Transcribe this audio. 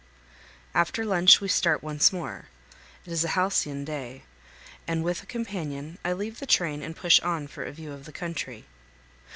After lunch we start once more. It is a halcyon day, and with a companion I leave the train and push on for a view of the country.